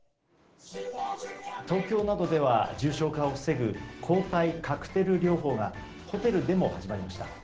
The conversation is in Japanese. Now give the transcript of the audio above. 東京などでは重症化を防ぐ抗体カクテル療法がホテルでも始まりました。